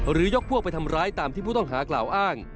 ยกพวกไปทำร้ายตามที่ผู้ต้องหากล่าวอ้าง